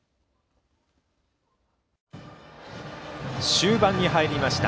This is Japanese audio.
終盤に入りました。